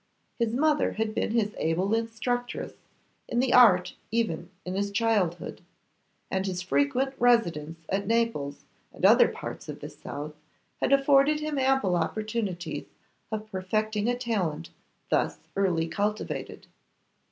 His mother had been his able instructress in the art even in his childhood, and his frequent residence at Naples and other parts of the south had afforded him ample opportunities of perfecting a talent thus early cultivated.